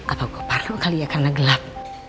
apa gue paruh kali ya karena gelap